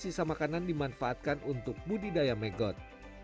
sementara sampah sisa makanan dimanfaatkan untuk budidaya megot